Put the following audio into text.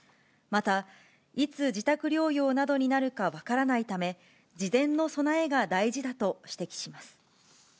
また、いつ自宅療養などになるか分からないため、事前の備えが大事だと指摘します。